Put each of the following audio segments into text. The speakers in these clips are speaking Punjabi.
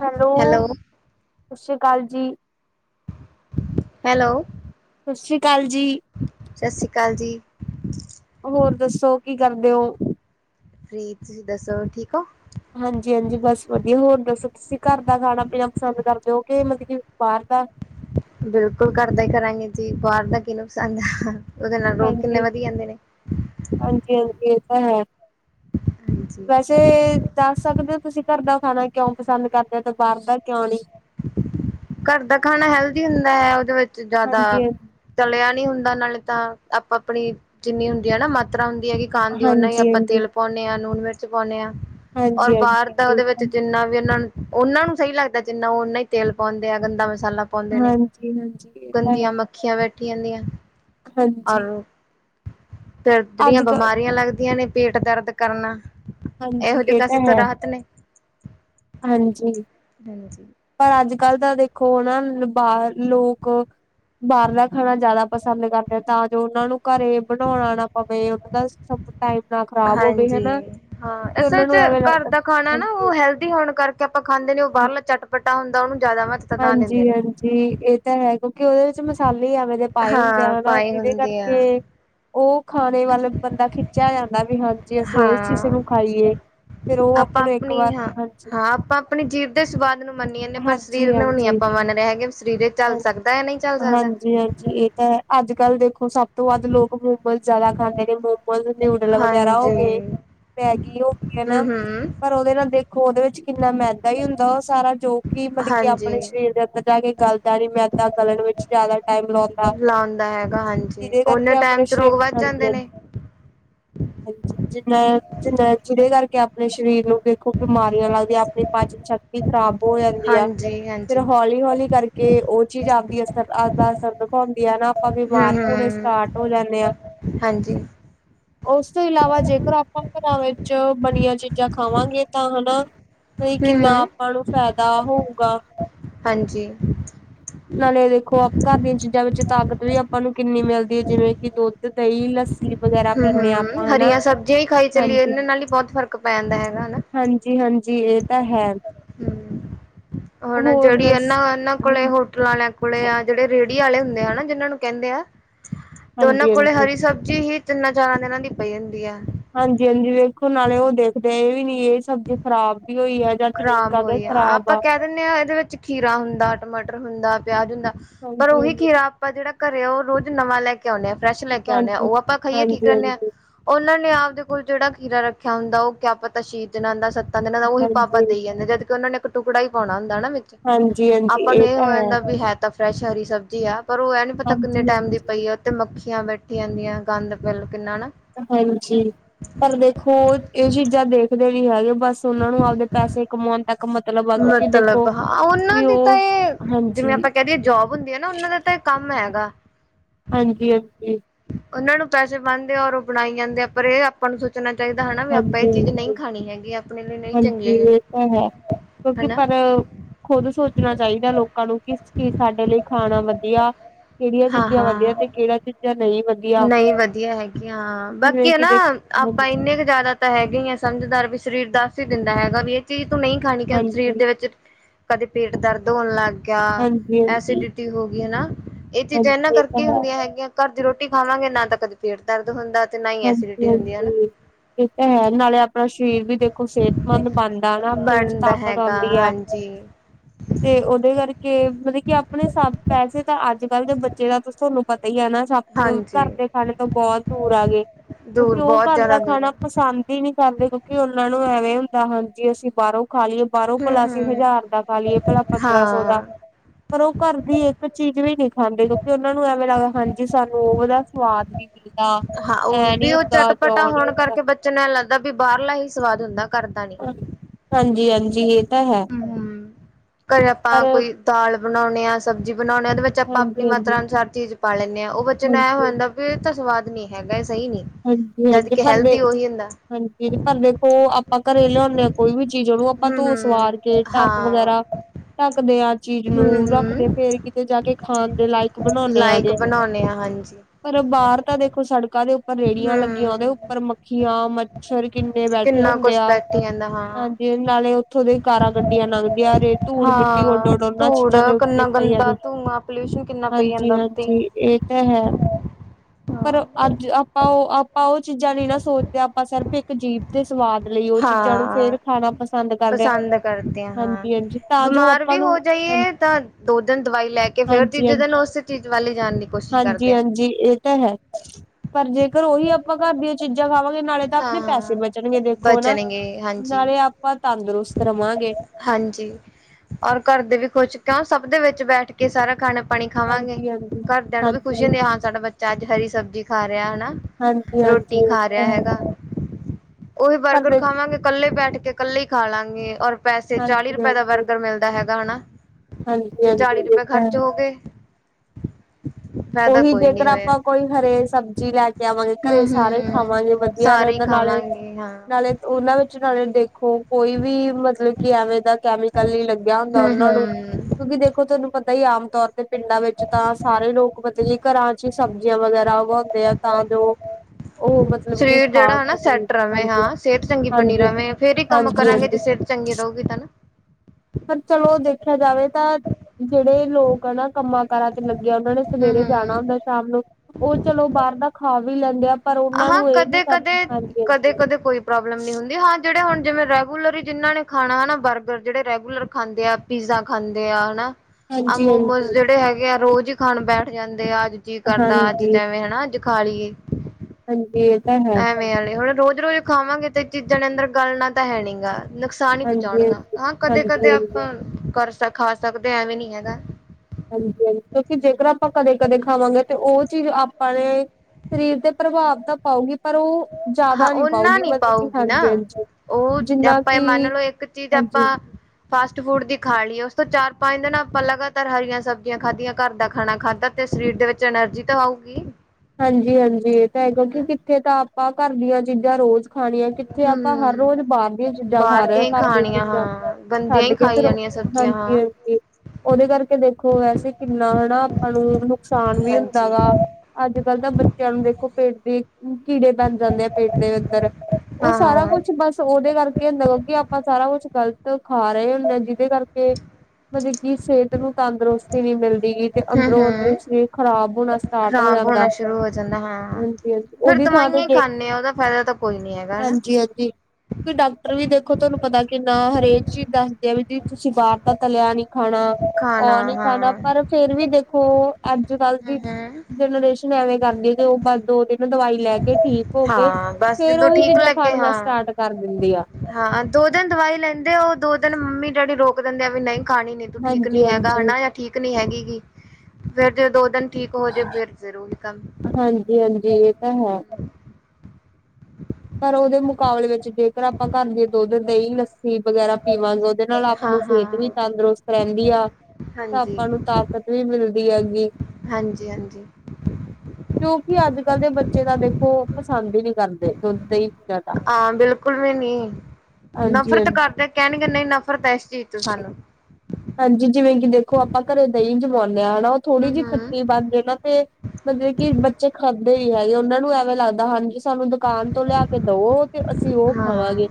ਹੈਲੋ ਸਤਿ ਸ੍ਰੀ ਅਕਾਲ ਜੀ। ਹੈਲੋ ਸਤਿ ਸ਼੍ਰੀ ਅਕਾਲ ਜੀ। ਸਤਿ ਸ੍ਰੀ ਅਕਾਲ ਜੀ। ਹੋਰ ਦੱਸੋ ਕੀ ਕਰਦੇ ਹੋ। ਫਰੀਦ ਤੁਸੀਂ ਦੱਸੋ ਠੀਕ ਹੋ? ਹਾਂਜੀ ਹਾਂਜੀ ਬਸ ਵਧੀਆ ਹੋਰ ਦੱਸੋ ਤੁਸੀਂ ਘਰ ਦਾ ਖਾਣਾ ਪੀਣਾ ਪਸੰਦ ਕਰਦੇ ਹੋ ਕਿ ਮਤਲਬ ਕਿ ਬਾਹਰ ਦਾ ਬਿਲਕੁਲ ਕਰਦਾ ਹੀ ਕਰਾਂਗੇ ਜੀ ਬਾਹਰ ਦਾ ਕਿਹਨੂੰ ਪਸੰਦ ਆ ਉਹਦੇ ਨਾਲ ਰੋਗ ਕਿੰਨੇ ਹਾਂਜੀ, ਵਧੀ ਜਾਂਦੇ ਨੇ। ਇਹ ਤਾਂ ਹੈ, ਹਾਂਜੀ, ਵੈਸੇ। ਦੱਸ ਸਕਦੇ ਹੋ, ਤੁਸੀਂ ਘਰ ਦਾ ਖਾਣਾ ਕਿਉਂ ਪਸੰਦ ਕਰਦੇ ਹੋ ਤੇ ਬਾਹਰ ਦਾ ਕਿਉਂ ਨਹੀਂ? ਘਰ ਦਾ ਖਾਣਾ ਹੈਲਦੀ ਹੁੰਦਾ ਹੈ, ਉਹਦੇ ਵਿੱਚ ਜ਼ਿਆਦਾ ਹਾਂਜੀ, ਤਲਿਆ ਨੀ ਹੁੰਦਾ ਨਾਲੇ ਤਾਂ, ਆਪਾਂ ਆਪਣੀ ਜਿੰਨੀ ਹੁੰਦੀ ਹੈ ਨਾ ਮਾਤਰਾ ਹੁੰਦੀ ਹੈ ਕਿ ਖਾਣ ਦੀ, ਉਹਨਾ ਹੀ ਆਪਾਂ ਹਾਂਜੀ-ਹਾਂਜੀ, ਤੇਲ ਪਾਉਂਦੇ ਆ, ਲੂਣ ਮਿਰਚ ਪਾਉਂਦੇ ਆ। ਔਰ, ਬਾਹਰ ਹਾਂਜੀ-ਹਾਂਜੀ ਦਾ ਇਹ ਉਹਦੇ ਤਾਂ ਵਿੱਚ ਜਿੰਨਾ ਵੀ ਉਹਨਾਂ ਨੂੰ ਉਹਨਾਂ ਨੂੰ ਸਹੀ ਲੱਗਦਾ, ਜਿੰਨਾ ਉਹ ਨਾ ਹੀ ਤੇਲ ਪਾਉਂਦੇ ਆ, ਗੰਦਾ ਮਸਾਲਾ ਪਾਉਂਦੇ ਨੇ, ਹਾਂਜੀ-ਹਾਂਜੀ ਇਹ ਤਾਂ ਹੈ, ਗੰਦੀਆਂ ਮੱਖੀਆਂ ਬੈਠੀਆਂ ਜਾਂਦੀਆਂ, ਹਾਂਜੀ ਔਰ [unintelligible] ਜਿਹੜੀਆਂ ਅੱਜ-ਕੱਲ ਬਿਮਾਰੀਆਂ ਲੱਗਦੀਆਂ ਨੇ, ਪੇਟ ਦਰਦ ਕਰਨਾ। ਹਾਂਜੀ, ਇਹੋ ਜਿਹੇ ਇਹ ਕਾਸੇ ਤਾਂ ਤੋਂ ਹੈ। ਰਾਹਤ ਨੇ। ਹਾਂਜੀ, ਹਾਂਜੀ। ਪਰ ਅੱਜ ਕੱਲ ਤਾਂ ਦੇਖ ਖਣਾ ਬਾਹ ਲੋਕ [unintelligible] ਬਾਹਰਲਾ ਖਾਣਾ ਜ਼ਿਆਦਾ ਪਸੰਦ ਕਰਦੇ ਆ, ਤਾਂ ਜੋ ਉਹਨਾਂ ਨੂੰ ਘਰੇ ਬਣਾਉਣਾ ਨਾ ਪਵੇ, ਉਹਨਾਂ ਦਾ ਟਾਈਮ ਨਾ [unintelligible] ਹਾਂਜੀ, ਹਨਾ ਹਾਂ ਕਿਉਂਕਿ ਅਸਲ ਉਹਨਾਂ ਚ ਨੂੰ ਐਵੇਂ ਘਰ ਲੱਗਦਾ ਦਾ ਖਾਣਾ ਨਾ ਹਾਂਜੀ ਉਹ ਹੈਲਥ ਹੋਣ ਕਰਕੇ ਆਪਾਂ ਖਾਂਦੇ ਨੀ, ਉਹ ਬਾਹਲਾ ਚਟਪਟਾ ਹੁੰਦਾ ਉਹਨੂੰ ਜ਼ਿਆਦਾ ਮਹ ਹਾਂਜੀ-ਹਾਂਜੀ, ਇਹ ਤਾਂ ਹੈਗਾ। ਕਿ ਉਹਦੇ ਵਿੱਚ ਮਸਾਲੇ ਐਵੇਂ ਦੇ ਪਾਏ ਹੁੰਦੇ ਹਾਂ ਆ ਹਨਾ, ਪਾਏ ਜਿਹਦੇ ਹੁੰਦੇ ਆ ਕਰਕੇ ਉਹ ਖਾਣੇ ਵੱਲ ਬੰਦਾ ਖਿੱਚਿਆ ਜਾਂਦਾ ਵੀ ਹਾਂਜੀ ਅਸੀਂ ਇਸ ਚੀਜ਼ ਹਾਂ ਨੂੰ ਖਾਈਏ। ਫੇਰ ਉਹ ਆਪਾਂ ਨੂੰ ਇੱਕ ਆਪਣੀ ਵਾਰ ਹਾਂ ਹਾਂਜੀ ਹਾਂ ਆਪਾਂ ਆਪਣੀ ਜੀਤ ਦੇ ਸਵਾਦ ਨੂੰ ਮੰਨੀ ਜਾਂਦੇ ਪਰ ਹਾਂਜੀ ਸਰੀਰ ਨੂੰ ਨਹੀਂੀ ਹਾਂਜੀ ਆਪਾਂ ਮੰਨ ਰਹੇ ਹੈਗੇ ਸਰੀਰ ਚੱਲ ਹਾਂ ਸਕਦਾ ਜਾਂ ਨਹੀਂ ਚੱਲ ਸਕਦਾ। ਹਾਂਜੀ ਹਾਂਜੀ ਇਹ ਤਾਂ ਹੈ ਅੱਜ ਕੱਲ੍ਹ ਦੇਖੋ ਸਭ ਤੋਂ ਵੱਧ ਲੋਕ ਮੋਮਲ ਜ਼ਿਆਦਾ ਖਾਂਦੇ ਨੇ ਮੋਮੋਲ ਨਿਊਡਲ ਵਗੈਰਾ ਹੋ ਗਏ। ਹਾਂਜੀ ਮੈਗੀ ਹੋ ਗਈ ਹੈ ਨਾ ਹੂੰ-ਹੂੰ ਪਰ ਉਹਦੇ ਨਾਲ ਦੇਖੋ, ਉਹਦੇ ਵਿੱਚ ਕਿੰਨਾ ਮੈਦਾ ਹੀ ਹੁੰਦਾ, ਉਹ ਸਾਰਾ ਜੋ ਕਿ [unintelligible] ਕਿ ਆਪਣੇ ਹਾਂਜੀ। ਸਰੀਰ ਦੇ ਅੰਦਰ [unintelligible] ਗੱਲ ਦਾ ਨੀ ਮੈਦਾ, ਗਲਣ ਵਿੱਚ ਜ਼ਿਆਦਾ ਟਾਈਮ ਲਾਉਂਦਾ, ਲਾਉਂਦਾ ਹੈਗਾ ਹਾਂਜੀ ਜਿਹਦੇ ਓਨੇ ਕਰਕੇ ਆਪਣੇ ਟਾਈਮ ਚ ਸ਼ਰੀਰ ਰੋਗ [inaudible] ਵੱਧ ਹਾਂਜ- ਜਾਂਦੇ ਹਾਂਜੀ ਨੇ ਜਿੰਨਾ-ਜਿੰਨਾ, ਜਿਦੇ ਕਰਕੇ ਆਪਣੇ ਸਰੀਰ ਨੂੰ ਬਿਮਾਰੀਆਂ ਲੱਗਦੀਆਂ, ਆਪਣੀ ਪਾਚਨ ਸ਼ਕਤੀ ਖ਼ਰਾਬ ਹੋ ਜਾਂਦੀ ਆ, ਹਾਂਜੀ ਫਿਰ ਹਾਂਜੀ ਹੌਲੀ-ਹੌਲੀ ਕਰਕੇ ਕੇ ਉਹ ਚੀਜ਼ ਆਪਦੀ ਅਸਰ, ਆਪਦਾ ਅਸਰ ਦਿਖਾਉਂਦੀ ਆ ਨਾ, ਆਪਾਂ ਹੂੰ ਬਿਮਾਰ ਹੋਣੇ ਹੂੰ ਸਟਾਰਟ ਹੋ ਜਾਂਦੇ ਹਾਂ। ਹਾਂਜੀ। [inaudible] ਓਸ ਤੋਂ ਇਲਾਵਾ ਜੇਕਰ ਆਪਾਂ ਘਰਾਂ ਵਿੱਚ, ਬਣੀਆਂ ਚੀਜ਼ਾਂ ਖਾਵਾਂਗੇ ਤਾਂ, ਹਨਾ ਬਈ ਹੂੰ ਕਿੰਨਾ ਹੂੰ ਆਪਾ ਨੂੰ ਫਾਇਦਾ ਹੋਊਗਾ। ਹਾਂਜੀ। ਨਾਲੇ ਦੇਖੋ, ਆਪ ਘਰ ਦੀਆਂ ਚੀਜ਼ਾਂ ਵਿੱਚ ਤਾਕਤ ਵੀ ਆਪਾਂ ਨੂੰ ਕਿੰਨੀ ਮਿਲਦੀ ਹੈ, ਜਿਵੇਂ ਕਿ ਦੁੱਧ ਦਹੀਂ, ਲੱਸੀ ਵਗੈਰਾ ਹੂੰ, ਪੀਂਦੇ ਹਾਂ ਹੂੰ, ਆਪਾਂ ਹਨਾ ਹਰੀਆਂ ਸਬਜ਼ੀਆਂ ਹੀ ਖਾਈ ਚੱਲੀਏ ਹਾਂਜੀ। ਇਹਨੇ ਨਾਲ ਹੀ ਬਹੁਤ ਫਰਕ ਪੈ ਜਾਂਦਾ ਹੈਗਾ, ਹਨਾ। ਹਾਂਜੀ-ਹਾਂਜੀ, ਇਹ ਤਾ ਹੈ। ਹੂੰ, ਹੁਣ ਹੋਰ ਜਿਹੜੀ ਦੱਸ ਐਨਾ-ਐਨਾ ਕੋਲੇ ਹੋ ਟਲ ਵਾਲਿਆਂ ਕੋਲੇ ਆ, ਜਿਹੜੇ ਰੇਹੜੀ ਵਾਲੇ ਹੁੰਦੇ ਆ ਹਨਾ ਜਿਹਨਾਂ ਨੂੰ ਕਹਿੰਦੇ ਆ, ਤੇ ਉਹਨਾਂ ਕੋਲੇ ਹਾਂਜੀ-ਹਾਂਜੀ। ਹਰੀ ਸਬ ਜੀ, ਹੀ ਤਿੰਨਾਂ-ਚਾਰਾਂ ਦਿਨਾਂ ਦੀ ਪਈ ਹੁੰਦੀ ਆ। ਹਾਂਜੀ-ਹਾਂਜੀ, ਵੇਖੋ, ਨਾਲੇ ਉਹ ਦੇਖਦੇ ਵੀ ਨੀ, ਇਹ ਸਬਜੀ ਖ਼ਰਾਬ ਵੀ ਹੋਈ ਆ, ਜਾਂ ਠੀਕ ਆ, ਜਾ ਖ਼ਰਾਬ ਆ। ਐਂਨੇ ਹਾਂ, ਇਹਦੇ ਵਿੱਚ ਖੀਰਾ ਹੁੰਦਾ, ਟਮਾਟਰ ਹੁੰਦਾ, ਪਿਆਜ ਹੁੰਦਾ, ਪਰ ਉਹੀ ਹਾਂਜੀ-ਹਾਂਜੀ, ਖੀਰਾ ਆਪਾਂ ਜਿਹੜਾ ਘਰੇ ਆ, ਉਹ ਰੋਜ਼ ਨਵਾ ਲੈਕੇ ਆਉਂਦੇ ਹਾਂ, ਫਰੈਸ਼ ਲੈਕੇ ਆਉਂਨੇ ਹਾਂ, ਹਾਂਜੀ-ਹਾਂਜੀ, ਉਹ ਆਪਾਂ ਖਾਈਏ ਠੀਕ ਹਾਂਜੀ-ਹਾਂਜੀ, ਰਹਿੰਨੇ ਹਾਂ। ਹਾਂਜੀ। ਉਹਨਾਂ ਨੇ ਆਪ ਦੇ ਕੋਲ ਜਿਹੜਾ ਖੀਰਾ ਰੱਖਿਆ ਹੁੰਦਾ, ਉਹ ਕਿਆ ਪਤਾ ਸ਼ੇ ਦਿਨਾਂ ਦਾ, ਸੱਤਾਂ ਦਿਨਾਂ ਦਾ, ਉਹੀ ਹਾਂਜੀ ਪਾ-ਪਾ ਹਾਂਜੀ ਦੇਈ ਜਾਂਦੇ ਦੇ, ਜਦਕਿ ਓਹਨਾ ਨੇ ਇੱਕ ਟੁਕੜਾ ਹੀ ਪਾਉਣਾ ਹੁੰਦਾ ਨਾ ਵਿੱਚ। ਹਾਂਜੀ। ਆਪਾਂ ਨੂੰ ਇਹ ਹੋ ਜਾਂਦਾ ਵੀ ਹੈ ਤਾਂ ਫਰੈਸ਼, ਹਰੀ ਸਬਜ਼ੀ ਆ, ਪਰ ਉਹ ਐ ਨੀ ਪਤਾ, ਕਿੰਨੇ ਹਾਂਜੀ-ਹਾਂਜੀ, ਟਾਈਮ ਦੀ ਹਾਂਜੀ। ਪਈ ਆ ਤੇ ਮੱਖੀਆਂ ਬੈਠੀ ਜਾਂਦੀਆਂ, ਗੰਦ ਪਲ ਕਿੰਨਾ ਨਾ। ਹਾਂਜੀ। ਪਰ ਦੇਖੋ, ਏ ਚੀਜਾਂ ਦੇਖਦੇ ਨੀ ਹੈਗੇ, ਬਸ ਓਹਨਾਂ ਨੂੰ ਆਪਦੇ ਪੈਸੇ ਕਮਾਉਨ ਤੱਕ ਮ ਮਤਲਬ, ਹਾਂ ਓਹਨਾਂ ਦੀ ਤਾਂ ਏ, ਜਿਵੇਂ ਹਾਂਜੀ, ਆਪਾ ਕਹਿਦੀਏ ਜੌਬ ਹੁੰਦੀ ਆ ਨਾ, ਓਹਨਾਂ ਦੇ ਤੇ ਕੰਮ ਹੈਗਾ। ਹਾਂਜੀ-ਹਾਂਜੀ। ਓਹਨਾਂ ਨੂੰ ਪੈਸੇ ਬਨਦੇ ਆ, ਔਰ ਓ ਬਣਾਈ ਜਾਂਦੇ ਆ, ਪਰ ਏ ਆ ਆਪਾ ਨੂੰ ਸੋਚਣਾ ਚਾਹੀਦਾ ਹਨਾ ਵੀ, ਆਪਾਂ ਏ ਹਾਂਜੀ ਚੀਜ ਨਹੀ ਹਾਂਜੀ ਖਾਣੀ ਹੈਗੀ ਆਪਣੇ ਲਈ ਨਹੀਂ ਚੰਗੀ ਹਾਂਜੀ, ਇਹ ਏ ਤਾ ਹੈ, ਕਿਉਂਕਿ ਹਨਾ ਪਰ ਖੁਦ ਸੋਚਣਾ ਚਾਹੀਦਾ ਲੋਕਾਂ ਨੂੰ, ਕਿਸ, ਕਿ ਸਾਡੇ ਲਈ ਖਾਣਾ ਵਧੀਆ ਕਹਿੜੀਆਂ ਚੀਜਾਂ ਵਧੀਆ, ਤੇ ਕਿਹੜਾ ਚੀਜਾ ਨਈ ਵਦੀਆ ਨਈ ਵਧੀਆ ਹੈਗੀਆਂ, ਬਾਕੀ ਆ ਕਿ ਨਾ ਦੇ ਆਪਾਂ ਹਾਂਜੀ, ਇੰਨੇ ਕ ਜਿਆਦਾ ਤਾਂ ਹੈਗੇ ਈ ਆਂ ਸਮਝਦਾਰ, ਵੀ ਸ਼ਰੀਰ ਦਸ ਈ ਦੇੰਦਾ ਹੈਗਾ ਵੀ, ਏ ਚੀਜ ਤੂੰ ਨਈ ਖਾਣੀ, ਕੇ ਆ ਸ਼ਰੀਰ ਹਾਂਜੀ, ਦੇ ਵਿੱਚ, ਕਦੇ ਪੇਟ ਦਰਦ ਹੋਣ ਲਾਗ ਗਿਆ, ਹਾਂਜੀ, ਹਾਂਜੀ, ਐਸੀਡੀਟੀ ਹੋਗੀ ਹਨਾ, ਏ ਚੀਜਾਂ ਇਹਨਾਂ ਹਾਂਜੀ ਇਹ ਤਾਂ ਕਾਰਕੇ ਹੈ। ਹੁੰਦੀਆਂ ਹੈਗੀਆਂ, ਘਰ ਦੀ ਰ੍ਹੋਟੀ ਰੋਟੀ ਖਾਵਾਂਗੇ ਨਾ ਤਾਂ ਕਦੀ ਪੇਟ ਦਰਦ ਹੁੰਦਾ, ਤੇ ਨਾ ਈ ਐਸੀਭੀਟੀ ਹੁੰਦੀ, ਹਨਾ। ਏ ਤਾਂ ਹੈ, ਨਾਲੇ ਆਪਣਾ ਸ਼ਰੀਰ ਵੀ ਦੇਖੋ ਸਿਹਤਮੰਦ ਬਨਦਾ ਨਾ ਅਪਨੇ ਵਿੱਚ ਤਾਕਤ ਆਂਦੀ ਆ। ਜੀ। [inaudible] ਤੇ ਉਹਦੇ ਕਰਕੇ, ਮਤਲਬ ਕਿ ਆਪਣੇ ਹਿਸਾਬ ਪੈਸੇ ਤਾਂ ਅੱਜ-ਕੱਲ ਦੇ ਬੱਚੇ ਦਾ ਤੁਹਾਨੂੰ ਪਤਾ ਹੀ, ਆ ਹਨਾ। ਸਭ, ਘਰ ਹਾਂਜੀ ਦੇ ਖਾਣੇ ਤੋਂ ਬਹੁਤ ਦੂਰ ਆ ਗਏ, ਦੂਰ ਕਿਉਂਕਿ ਉਹ ਬਹੁਤ ਘਰ ਜ਼ਿਆਦਾ ਦਾ ਦੂਰ ਖਾਣਾ ਹੈ। ਪਸੰਦ ਹੀਨੀ ਕਰਦੇ, ਕਿਉਂਕਿ ਓਹਨਾਂ ਨੂੰ ਐਵੇਂ ਹੁੰਦਾ, ਹਾਂਜੀ ਅਸੀ ਬਾਹਰੋਂ ਖਾਲੀਏ ਬਾਹਰੋਂ ਹੂੰ ਭਲਾ ਅਸੀ ਹੂੰ ਹਜਾਰ ਦਾ ਖਾਲੀਏ, ਭਲਾ ਪੰਦਰਾਂ-ਸੌ ਦਾ। ਹਾਂ। ਪਰ ਓ ਘਰ ਦੀ ਇੱਕ ਚੀਜ ਵੀ ਨੀ ਖਾਂਦੇ, ਕਿਉਂਕਿ ਓਹਨਾਂ ਨੂੰ ਐਵੇਂ ਲਗਦਾ ਹਾਂਜੀ ਤੇ ਸਾਨੂੰ ਓਹਦਾ ਸਵਾਦ ਨੀ ਮਿਲਦਾ ਹਾਂ, ਓਹੀ ਐ ਨੀ ਬੀ ਓ ਹੁੰਦਾ ਜੋ ਚੱਟਪੱਟਾ ਨੀ ਹੋਣ ਹੁੰਦਾ ਕਾਰਕੇ ਬੱਚੇ ਨੂੰ ਐਂ ਲਗਦਾ ਵੀ, ਬਾਹਰਲਾ ਹੀ ਸਵਾਦ ਹੁੰਦਾ। ਘਰ ਦਾ ਨੀ। ਹਾਂਜੀ-ਹਾਂਜੀ, ਏ ਤਾ ਹੈ। ਘਰ ਪਰ ਆਪਾਂ ਕੋਈ ਦਾਲ ਬਣਾਉਂਨੇ ਆਂ ਸਬਜੀ ਬਣਾਉਣੇ ਆਂ ਓਹਦੇ ਵਿਚ ਚ ਆਪਾਂ ਆਪਣੀ ਹਾਂਜੀ ਹਾਂਜੀ ਮਾਤਰਾ ਅਨੁਸਾਰ ਚੀਜ ਪਾ ਲੈਨੇ ਆ, ਓ ਬੱਚੇ ਨੂੰ ਐਂ ਹੋ ਹਾਂਜੀ ਜਾਂਦਾ ਵੀ ਏ ਤਾਂ ਸਵਾਦ ਨੀ ਹੈਗਾ, ਏ ਸਈ ਨਹੀ। ਹਾਂਜੀ-ਹਾਂਜੀ, ਪਰ ਵੇ, ਹਾਂਜੀ, ਪਰ ਵੇਖੋ, ਆਪਾਂ ਘਰੇ ਲਿਆਉਨੇ ਆਂ ਕੋਈ ਵੀ ਚੀਜ ਓਨੂੰ ਪਾਂ ਹੂੰ ਧੋ ਸਵਾਰ ਹੂੰ ਕੇ ਟਾੱਕ ਹਾਂ। ਵਗੈਰਾ। ਢੱਕਦੇ ਆ ਚੀਜ ਹੂੰ ਨੂੰ, ਰਾਖਦੇ ਹੂੰ ਫੇਰ ਕਿਤੇ ਜਾ ਕੇ ਖਾਨ ਦੇ ਲਾਏਕ ਬਣੋਨੇ ਲਾਇਕ ਆਗੇੇ। ਬਣਾਉਣੇ ਆ ਹਾਂਜੀ। ਪਰ ਬਾਰ ਤਾਂ ਦੇਖੋ ਸੜਕਾਂ ਦੇ ਉਪ ਰੇੜੀਆਂ ਲਗੀਆਂ ਓਦੇ ਹੂੰ ਉਪਰ ਮੱਖੀਆਂ, ਮੱਛਰ ਕਿੰਨੇ ਬੈਠੇ ਕਿੰਨਾ ਹੁੰਦੇ ਕੁਛ ਆ, ਬੈਠੀ ਜਾਂਦਾ ਹਾਂ। ਹਾਂਜੀ। ਜੇ ਨਾਲੇ ਓਥੋਂ ਦੇ ਕਾਰਾਂ, ਗੱਡੀਆਂ ਲੰਘਦੀਆਂ ਰੇ ਧੂੜ ਮਿੱਟੀ ਹਾਂ ਓਡ- ਓਡ ਓਨਾਂ ਧੂੜ ਚੀਜਾਂ ਦੇ ਉਤੇ ਕਿੰਨਾ ਪਈਆ ਗੰਦਾ ਦੀ। ਧੂੰਆਂ ਪੋਲਿਊਸ਼ਨ ਕਿੰਨਾ ਪਈ ਜਾਂਦਾ ਉੱਤੇ ਹਾਂਜੀ-ਹਾਂਜੀ ਏ ਤਾਂ ਹੈ, ਪਰ ਹਾਂ ਆੱਜ ਆਪ ਆਪਾਂ ਉ- ਆਪਾਂ ਓ ਚੀਜਾਂ ਨੀ ਨਾ ਸੋਚਦੇ। ਆਪਾਂ ਸੇਰਫ ਇਕ ਜੀਬ ਦੇ ਸਵਾਦ ਲਈ ਓ ਚੀਜਾਂ ਨੂੰ ਫੇਰ ਹਾਂ ਖਾਣਾ ਪਸੰਦ ਕਾਰ ਦੇ ਆਂ। ਹਾਂਜੀ- ਹਾਂਜੀ। ਤਾਂ ਜੋ ਬੀਮਾਰ ਆਪਾਂ ਵੀ ਨੂੰ ਹੋ ਹਾਂਜੀ ਜਾਈਏ ਤਾਂ। ਦੋ ਦਿਨ ਦਵਾਈ ਲੈ ਕੇ ਫੇਰ ਹਾਂਜੀ ਤੀਜੇ ਦਿਨ ਹਾਂਜੀ ਓਸ ਚੀਜ ਵਾਲ ਈ, ਜਾਨ ਦੀ ਕੋਸ਼ਿਸ਼ ਹਾਂਜੀ ਕਾਰਦੇ ਆਂ। ਹਾਂਜੀ ਇਹ ਤਾਂ ਹੈ ਪਰ ਜੇਕਰ ਓਹੀ ਅਪਾਂ ਘਾਰ ਦੀਆਂ ਚੀਜਾਂ ਖਾਵਾਂਗੇ। ਨਾਲੇ ਤਾਂ ਅਪਣੇ ਪੈਸੇ ਹਾਂ ਬਚਣਗੇ ਦੇਖ ਬਚਣਗੇ ਹਾਂਜੀ। ਅਪਾਂ ਤੰਦਰੁਸਤ ਰਵਾਂਗੇ। ਹਾਂਜੀ, ਔਰ ਘਰ ਦੇ ਵੀ ਖੁਸ਼ ਕਿਉਂ ਸਬ ਦੇ ਵਿਚ ਬੈਠ ਕੇ ਸਾਰਾ ਖਾਣਾ ਪਾਣੀ ਖਾਵਾਂਗੇ, ਹਾਂਜੀ ਹਾਂਜੀ ਘਾਰਦੇਆਂ ਨੂੰ ਵੀ ਖੁਸ਼ੀ ਹਾਂਜੀ ਹੁੰਦੀ ਆ। ਹਾਂ ਸਾਡਾ ਬੱਚਾ ਆੱਜ ਹਰੀ ਸਬਜੀ ਖਾ ਰੇਆ। ਹਣਾ, ਹਾਂਜੀ ਰੋਟੀ ਹਾਂਜੀ ਇਹ ਖਾ ਤਾਂ ਰੇਆ ਹੈ ਹੈਗਾ। ਉਹੀ ਪਰ ਬਰਗਰ ਖਾਵਾਂਗੇ ਕੱਲੇ ਬੈਠ ਕੇ ਕੱਲੇ ਹੀ ਖਾ ਲਾਂਗੇ ਔਰ ਪੈਸੇ ਚਾਲੀ ਹਾਂਜੀ ਰੁਪਏ ਦਾ ਬਰਗਰ ਮਿਲਦਾ ਹੈਗਾ। ਹਣਾ, ਹਾਂਜੀ-ਹਾਂਜੀ ਏ ਤਾਂ ਹੈ। ਉਹਦੇ। [inaudible] ਉਹੀ ਜੇਕਰ ਨਹੀਂ ਹੋਇਆ ਆਪਾਂ ਕੋਈ ਹਰੇ ਸਬਜ਼ੀ ਲੈ ਕੇ ਆਵਾਂਗੇ। ਘਰੇ ਹੂੰ ਸਾਰੇ ਖਾਵਾਂਗੇ ਵਧੀ ਹੂੰ ਵਧੀਆ ਸਾਰੇ ਹੀ ਰਹਿੰਦਾ ਖਾਵਾਂਗੇ ਹਾਂ ਨਾਲੇ-ਨਾਲੇ ਉਹਨਾਂ ਵਿੱਚ ਨਾਲੇ ਦੇਖੋ ਕੋਈ ਵੀ ਮਤਲਬ ਕਿ ਐਵੇਂ ਦਾ ਕੈਮੀਕਲ ਨਹੀਂ ਲੱਗਿਆ ਹੁੰਦਾ। ਹੂੰ ਉਹਨਾਂ ਨੂੰ ਹੂੰ ਕਿਉਂਕਿ ਦੇਖੋ ਤੁਹਾਨੂੰ ਪਤਾ ਹੀ, ਆਮ ਤੌਰ ਤੇ ਪਿੰਡਾਂ ਵਿੱਚ ਤਾਂ ਸਾਰੇ ਲੋਕ ਜੀ ਘਰਾਂ ਚ ਹੀ ਸਬਜ਼ੀਆਂ ਵਗੈਰਾ ਉਗਾਉਂਦੇ ਆ ਤਾਂ ਜੋ ਉਹ ਮਤਲਬ ਕਿ ਸਰੀਰ ਜਿਹੜਾ ਖਾ ਹੈ ਨਾ ਸਕਣ ਸੈਟ ਰਹੇ। ਹਾਂਜੀ ਹਾਂ, ਸਿਹਤ ਚੰਗੀ ਬਣੀ ਹਾਂਜੀ ਰਹੇ, ਫੇਰ ਹੀ ਕੰਮ ਹਾਂਜੀ ਹਾਂਜੀ ਕਰਾਂਗੇ ਜੇ ਸ ਚੰਗੀ ਰਹੂਗੀ ਨਾਲੇ। ਪਰ ਚਲੋ ਦੇਖਿਆ ਜਾਵੇ ਤਾਂ, ਜਿਹੜੇ ਲੋਕ ਆ ਨਾ ਕੰਮਾਂ ਕਾਰਾ ਤੇ ਲੱਗਿਆ। ਉਹਨਾਂ ਨੇ ਹੂੰ ਸਵੇਰੇ ਜਾਣਾ ਹੂੰ ਹੁੰਦਾ ਸ਼ਾਮ ਨੂੰ, ਉਹ ਚਲੋ ਬਾਹਰ ਦਾ ਖਾ ਵੀ ਲੈਂਦੇ ਆ। ਪਰ ਉਹਨਾਂ ਹਾਂ, ਨੂੰ ਇਹ ਨੀ ਕਦੇ- ਸਮ ਕਦੇ, ਹਾਂਜੀ ਕਦੇ- ਕਦੇ ਕੋਈ ਪ੍ਰੋਬਲਮ ਨਹੀਂ ਹੁੰਦੀ ਹਾਂ ਜਿਹੜੇ ਹੁਣ ਜਿਵੇਂ ਰੈਗੂਲਰ ਜਿਨਾਂ ਨੇ ਖਾਣਾ। ਹਨਾ ਬਰਗਰ ਜਿਹੜੇ ਰੈਗੂਲਰ ਖਾਂਦੇ ਆ, ਪੀਜ਼ਾ ਖਾਂਦੇ ਆ, ਹਨਾ। ਆ ਹਾਂਜੀ ਹਾਂਜੀ ਮੋ ਮੋਸ ਜਿਹੜੇ ਹੈਗੇ ਆ। ਰੋਜ਼ ਹੀ ਖਾਣ ਬੈਠ ਜਾਂਦੇ ਆ। ਅੱਜ ਜੀ ਕਰਦਾ ਹਾਂਜੀ ਅੱਜ ਹਾਂਜੀ ਜਵੇਂ, ਹਨਾ ਖਾ ਲੀਏ। ਹਾਂਜੀ ਇਹ ਤਾਂ ਹੈ ਐਵੇਂ ਆਲੇ। ਹੁਣ ਰੋਜ਼-ਰੋਜ਼ ਖਾਵਾਂਗੇ ਤੇ ਚੀਜ਼ਾਂ ਨੇ ਅੰਦਰ ਗਲਣਾ ਤਾਂ ਹੈ ਨੀ ਗਾ। ਨੁਕ ਸਾਨ ਹੀਂ ਹਾਂਜੀ ਪਹੁੰਚਾਉਣਿਆ ਹਾਂਜੀ ਹਾਂ ਹਾਂਜੀ ਕਦੇ-ਕਦੇ ਹਾਂਜੀ ਆਪਾਂ ਕਰ ਖਾ, ਸਕਦੇ। ਐਵੇਂ ਨੀ ਹੈਗਾ। ਹਾਂਜੀ-ਹਾਂਜੀ, ਕਿਉਂਕਿ ਜੇਕਰ ਆਪਾਂ ਕਦੇ-ਕਦੇ ਖਾਵਾਂਗੇ ਤੇ, ਉਹ ਚੀਜ਼ ਆਪਾਂ ਨੇ ਸ਼ਰੀਰ ਤੇ ਪ੍ਰਭਾਵ ਤਾਂ ਪਾਊਗੀ। ਪਰ ਓ ਜਾਦਾ ਨੀ ਪਾਊਗੀ, ਮਤਲਬ ਕਿ ਹਾਂਜੀ, ਹਾਂਜੀ। ਓ ਜਿੰਨਾ ਜਾਪਾਂ ਏ ਕਿ ਮੰਨ ਲੋ, ਏਕ ਚੀਜ ਆਪਾਂ। ਹਾਂਜੀ ਫਾਸਟ ਫੂਡ ਦੀ ਖਾ ਲੀ। ਓਸ ਤੋਂ ਚਾਰ, ਪਾੰਜ ਦਿਨ ਆਪਾਂ ਲਗਾਤਾਰ ਹਰੀਆਂ ਸਬਜੀਆਂ ਖਾਦੀਆਂ। ਘਾਰ ਦਾ ਖਾਣਾ ਖਾਦਾ। ਤੇ ਸਰੀਰ ਦੇ ਵਿਚ ਐਨਰਜੀ ਤਾਂ ਆਊਗੀ। ਹਾਂਜੀ- ਹਾਂਜੀ ਏ ਤਾਂ ਹੈ। ਕਿਉਂਕਿ ਹਨਾ ਕਿੱਥੇ ਤਾਂ ਆਪਾਂ ਘਾਰ ਦੀਆਂ ਚੀਜਾਂ ਰੋਜ ਖਾਣੀ ਆ, ਕਿੱਥੇ ਆਪਾਂ ਹਰ ਹਮ ਰੋਜ਼ ਬਾਹਰ ਦੀਆਂ ਚੀਜ਼ਾਂ ਖਾ ਬਾਹਰ ਰਹੇ ਹਾਂ। ਹੀ ਘਰ ਦੀਆਂ ਖਾਣੀਆਂ ਚੀਜ਼ਾਂ ਹਾਂ ਗੰਦੀਆਂ ਹੀ ਸਾਡੇ ਖਾਈ ਜਾਣੀਆਂ ਸਬਜ਼ੀਆਂ ਹਾਂ ਹਾਂਜੀ-ਹਾਂਜੀ। ਉਹਦੇ ਕਰਕੇ ਦੇਖੋ ਵੈਸੇ, ਕਿੰਨਾ ਹਨਾ ਆਪਾਂ ਨੂੰ ਨੁਕਸਾਨ ਵੀ ਹੁੰਦਾ ਹਾਂਜੀ ਵਾ। ਅੱਜ ਕੱਲ ਤਾਂ, ਬੱਚਿਆਂ ਨੂੰ ਦੇਖੋ ਪੇਟ ਦੀ ਕੀੜੇ ਬਣ ਜਾਂਦੇ ਆ। ਪੇਟ ਦੇ ਅੰਦਰ ਉਹ ਹਾਂ ਸਾਰਾ ਕੁਛ ਹਮ ਕੁਛ ਬਸ ਉਹਦੇ ਕਰਕੇ ਹੁੰਦਾ। ਕਿਉਂਕਿ ਆਪਾਂ ਸਾਰਾ ਕੁਛ ਗ਼ਲਤ ਖਾ ਰਹੇ ਹੁੰਦੇ ਆਾਂ। ਜਿਹਦੇ ਕਰਕੇ ਮਤਲਬ ਕਿ ਸਿਹਤ ਨੂੰ ਤੰਦਰੁਸਤੀ ਨੀ ਮਿਲਦੀ ਗੀ। ਤੇ ਅੰਦਰੋਂ ਅੰਦਰ ਸਰੀਰ ਖ਼ਰਾਬ ਹੋਣਾ ਸਟਾਰਟ ਹੋ ਜਾਂਦਾ ਬੋਣਾ ਸ਼ੁਰੂ ਹੋ ਜਾਂਦਾ ਹਾਂ ਹਾਂਜੀ-ਹਾਂਜੀ ਫੇਰ ਉਹਦੀ ਥਾਂ ਤੇ ਦਵਾਈਆਂ ਖਾਂਦੇ ਹਾਂ ਉਹਦਾ ਫ਼ਾਇਦਾ ਤਾਂ ਕੋਈ ਨੀ ਹੈਗਾ ਹਨਾ ਜੀ ਹਾਂਜੀ ਫਿਰ ਡਾਕਟਰ ਵੀ ਦੇਖੋ ਤੁਹਾਨੂੰ ਪਤਾ ਕਿੰਨਾ ਹਰੇਕ ਚੀਜ਼ ਦੱਸਦੇ ਆ ਵੀ ਜੀ ਤੁਸੀਂ ਬਾਹਰ ਦਾ ਤਲਿਆ ਨੀ ਖਾਣਾ, ਖਾਣਾ ਉਹ ਨਹੀਂ ਖਾਣਾ ਹਾਂ ਪਰ ਫੇਰ ਵੀ ਦੇਖੋ ਅੱਜ-ਕੱਲ ਦੀ ਹਮ ਹਮ ਜਨਰੇਸ਼ਨ ਐਵੇਂ ਕਰਦੀ ਤੇ ਉਹ ਬਸ ਦੋ ਦਿਨ ਦਵਾਈ ਲੈ ਕੇ ਠੀਕ ਹੋ ਕੇ ਹਾਂ ਬਸ ਫੇਰ ਜਦੋਂ ਉਹੀ ਠੀਕ ਚੀਜ਼ਾਂ ਲੱਗੇ ਖਾਣੀਆਂ ਹਾਂ ਸਟਾਰਟ ਕਰ ਦਿੰਦੇ ਆ ਹਾਂ ਦੋ ਦਿਨ ਦਵਾਈ ਲੈਂਦੇ ਹੋ, ਦੋ ਦਿਨ ਮੰਮੀ ਡੈਡੀ ਰੋਕ ਦਿੰਦੇ ਆ ਵੀ ਨਹੀਂ ਖਾਣੀ ਨੀ ਤੂੰ ਠੀਕ ਨੀ ਹੈਗਾ ਹਾਂਜੀ-ਹਾਂਜੀ ਹਨਾ ਜਾਂ ਠੀਕ ਨੀ ਹੈਗੀਗੀ ਫੇਰ ਜੇ ਦੋ ਦਿਨ ਠੀਕ ਹੋ ਜੇ ਫਿਰ ਜ਼ਰੂਹੀ ਕੰਮ ਹਾਂਜੀ-ਹਾਂਜੀ ਇਹ ਤਾਂ ਹੈ ਪਰ ਉਹਦੇ ਮੁਕਾਬਲੇ ਵਿੱਚ ਜੇਕਰ ਆਪਾਂ ਘਰ ਦੀ ਦੁੱਧ, ਦਹੀਂ, ਲੱਸੀ ਘੀ ਵਗੈਰਾ ਪੀਵਾਂਗੇ ਉਹਦੇ ਨਾਲ ਹਾਂ ਆਪਣੀ ਸਿਹਤ ਵੀ ਹਾਂ ਤੰਦਰੁਸਤ ਰਹਿੰਦੀ ਆ ਤੇ ਹਾਂਜੀ ਆਪਾਂ ਨੂੰ ਤ ਦਿੱਕਤ ਵੀ ਮਿਲਦੀ ਹੈਗੀ, ਹਾਂਜੀ ਹਾਂਜੀ ਕਿਉਂਕਿ ਅੱਜ ਕੱਲ ਦੇ ਬੱਚੇ ਬੱਚੇ ਤਾਂ ਦੇਖੋ ਪਸੰਦ ਹੀ ਨੀ ਕਰਦੇ ਦੁੱਧ, ਦਹੀਂ ਤਾਂ ਹਾਂ ਬਿਲਕੁਲ ਵੀ ਨੀ, ਹਾਂਜੀ ਨਫ਼ਰਤ ਹਾਂਜੀ ਕਰਦੇ ਕਹਿਣਗੇ, ਨਹੀਂ ਨਫ਼ਰਤ ਇਸ ਚੀਜ਼ ਤੋਂ ਸਾਨੂੰ ਹਾਂਜੀ ਜਿਵੇਂ ਕਿ ਦੇਖੋ ਆਪਾਂ ਘਰੇ ਦਹੀਂ ਜਮਾਉਂਦੇ ਹਾਂ ਹਨਾ ਉਹ ਥੋੜ੍ਹੀ ਹਮ ਜਿਹੀ ਹਮ ਖੱਟੀ ਬਨ ਜਾਏ ਨਾ ਤੇ ਮਤਲਬ ਕਿ ਬੱਚੇ ਖਾਂਦੇ ਵੀ ਹੈਗੇ ਉਹਨਾਂ ਨੂੰ ਐਵੇਂ ਲੱਗਦਾ ਹਾਂਜੀ ਕਿ ਸਾਨੂੰ ਦੁਕਾਨ ਤੋਂ ਲਿਆ ਕੇ ਦਿਓ ਤੇ ਅਸੀਂ ਉਹ ਹਾਂ ਖਾਵਾਂਗੇ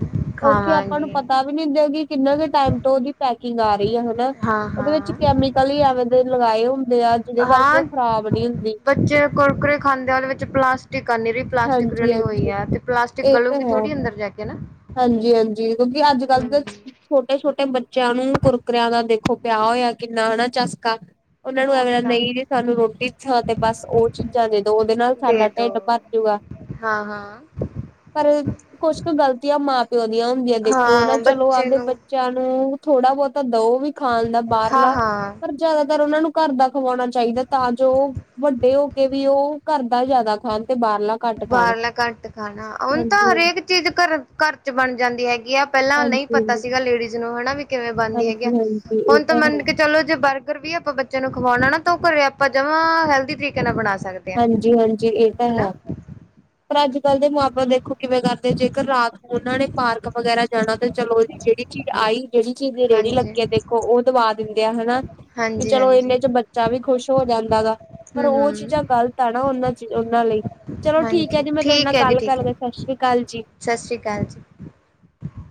ਉੱਥੇ ਆਪਾਂ ਨੂੰ ਖਾਵਾਂਗੇ ਪਤਾ ਪਤਾ ਵੀ ਨਹੀਂ ਦਿ ਕਿ ਕਿੰਨਾ ਕੁ ਟਾਈਮ ਤੋਂ ਉਹਦੀ ਪੈਕਿੰਗ ਆ ਰਹੀ ਆ ਹਨਾ ਹਾਂ ਉਹਦੇ ਹਾਂ ਵਿੱਚ ਕੈਮੀਕਲ ਕਲੀ ਐਵੇਂ ਦੇ ਲਗਾਏ ਹੁੰਦੇ ਆ ਜਿਹਦੇ ਕਰਕੇ ਹਾਂ ਉਹ ਖ਼ਰਾਬ ਨਹੀਂ ਹੁੰਦੀ। ਬੱਚੇ ਕੁਰਕੁਰੇ ਖਾਂਦੇ ਆ ਉਹਦੇ ਵਿੱਚ ਪਲਾਸਟਿਕ ਹੈ ਨਿਰੀ ਪਲਾਸਟਿਕ ਹਾਂਜੀ ਰਲੀ ਹੋਈ ਹਾਂਜੀ ਹੈ ਤੇ ਪਲਾਸਟਿਕ ਗਲੋਂਗੀ ਥੋੜ੍ਹੀ ਅੰਦਰ ਜਾ ਕੇ ਨਾ ਹਾਂਜੀ- ਹਾਂਜੀ ਕਿਉਂਕਿ ਅੱਜ ਕੱਲ ਤੇ ਹੂੰ। ਛੋਟੇ ਛੋਟੇ ਬੱਚਿਆਂ ਨੂੰ ਕੁਰਕਰਿਆਂ ਦਾ ਦੇਖੋ ਪਿਆ ਹੋਇਆ ਕਿੰਨਾ ਹਨਾ ਚਸਕਾ ਉਹਨਾਂ ਨੂੰ ਉਹੀ ਐ ਤਾਂ ਨਹੀਂ ਜੀ ਸਾਨੂੰ ਰੋਟੀ ਥਾਂ ਤੇ ਬਸ ਉਹ ਚੀਜ਼ਾਂ ਦੇ ਦੋ ਉਹਦੇ ਨਾਲ ਸਾਡਾ ਢਿੱਡ ਭਰ ਜੂਗਾ ਹਾਂ, ਹਾਂ ਹਾਂ ਪਰ ਕੁਛ ਕੁ ਗ਼ਲਤ ਗਲਤੀਆਂ ਮਾਂ ਪਿਓ ਦੀਆਂ ਹੁੰਦੀਆਂ ਹਾਂ ਦੇਖੋ ਹਨਾ ਹਾਂ ਚਲੋ ਬੱਚੇ ਆਪਦੇ ਨੂੰ ਬੱਚਿਆਂ ਨੂੰ ਥੋੜਾ ਬਹੁਤਾ ਦਿਓ ਵੀ ਖਾਣ ਦਾ ਬਾਹਰਲਾ, ਹਾਂ-ਹਾਂ। ਪਰ ਜ਼ਿਆਦਾਤਰ ਉਹਨਾਂ ਨੂੰ ਘਰ ਦਾ ਖਵਾਉਣਾ ਚਾਹੀਦਾ ਤਾਂ ਜੋ ਵੱਡੇ ਹੋ ਕੇ ਵੀ ਉਹ ਘਰ ਦਾ ਜ਼ਿਆਦਾ ਖਾਣ ਤੇ ਬਾਹਰਲਾ ਘਟ ਬਾਹਰਲਾ ਘੱਟ ਖਾਣਾ ਹੁਣ ਤਾਂ ਹਰੇਕ ਚੀਜ਼ ਘਰ, ਘਰ 'ਚ ਬਣ ਜਾਂਦੀ ਹੈਗੀ ਆ ਪਹਿਲਾਂ ਨਹੀਂ ਪਤਾ ਹਾਂਜੀ-ਹਾਂਜੀ, ਸੀਗਾ ਲੇਡੀਜ਼ ਨੂੰ ਹਨਾ ਵੀ ਕਿਵੇਂ ਬਣਦੀਆਂ ਹੈਗੀ ਆ ਹਾਂਜੀ-ਹਾਂਜੀ ਇਹ ਹੁਣ ਤਾਂ ਹੈ। ਮੰਨ ਕੇ ਚਲੋ ਜੇ ਬਰਗਰ ਵੀ ਆਪਾਂ ਬੱਚਿਆਂ ਨੂੰ ਖਵਾਉਣਾ ਨਾ ਤਾਂ ਉਹ ਘਰੇ ਆਪਾਂ ਜਮਾਂ ਹੈਲਦੀ ਤਰੀਕੇ ਨਾਲ ਬਣਾ ਸਕਦੇ ਆ। ਹਾਂਜੀ- ਹਾਂਜੀ ਇਹ ਤਾਂ ਹਨਾ ਹੈ ਪਰ ਅੱਜ ਕੱਲ ਦੇ ਮਾਂ ਬਾਪ ਦੇਖੋ ਕਿਵੇਂ ਕਰਦੇ ਜੇਕਰ ਰਾਤ ਨੂੰ ਉਹਨਾਂ ਨੇ ਪਾਰਕ ਵਗੈਰਾ ਜਾਣਾ ਤੇ ਚਲੋ ਉਹਦੀ ਜਿਹੜੀ ਚੀਜ਼ ਆਈ ਜਿਹੜੀ ਚੀਜ਼ ਦੀ ਰੇਹੜੀ ਹਾਂਜੀ, ਲੱਗੀ ਆ ਦੇਖੋ ਉਹ ਦਵਾ ਦਿੰਦੇ ਆ ਹਨਾ ਵੀ ਚਲੋ ਇਹਨੇ ਹਾਂਜੀ-ਹਾਂਜੀ। ਚ ਬੱਚਾ ਵੀ ਖੁਸ਼ ਹੋ ਜਾਂਦਾ ਗਾ ਪਰ ਹੂੰ, ਉਹ ਚੀਜ਼ਾਂ ਹੂੰ, ਗਲਤ ਆ ਨਾ ਉਹਨਾਂ ਚ ਉਹਨਾਂ ਲਈ ਚਲੋ ਠੀਕ ਹੈ ਹਾਂਜੀ ਜੀ ਮੈਂ ਤੁਹਾਡੇ ਨਾਲ ਠੀਕ ਹੈ ਜੀ, ਕੱਲ ਠੀਕ ਹੈ। ਕਰਦਾ ਸਤਿ ਸ੍ਰੀ ਅਕਾਲ ਜੀ ਸਤਿ ਸ੍ਰੀ ਅਕਾਲ ਜੀ